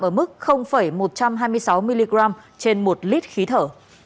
ở mức một trăm hai mươi sáu mg trên một lít khí thở